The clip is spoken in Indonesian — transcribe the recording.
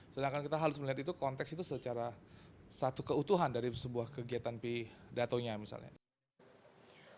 sedangkan kita harus melihat itu konteks itu secara satu keutuhan dari sebuah kegiatan pidatonya misalnya